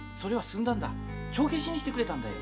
帳消しにしてくれたんだよ。